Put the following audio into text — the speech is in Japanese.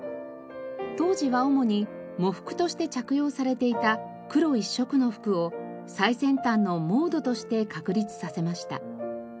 当時は主に喪服として着用されていた黒一色の服を最先端のモードとして確立させました。